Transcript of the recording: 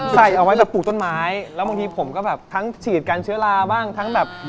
ใส่เอาไว้แบบปลูกต้นไม้แล้วบางทีผมก็แบบทั้งฉีดกันเชื้อราบ้างทั้งแบบ